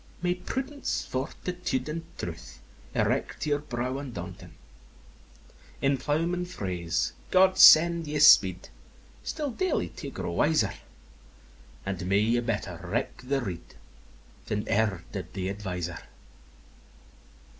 May prudence, fortitude, and truth Erect your brow undaunting! In ploughman phrase, 'God send you speed,' Still daily to grow wiser: And may you better reck the rede Than ever did th' adviser!